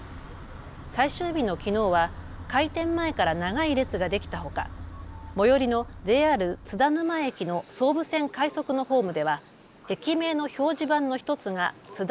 最終日のきのうは開店前から長い列ができたほか、最寄りのＪＲ津田沼駅の総武線快速のホームでは駅名の表示板の１つがつだ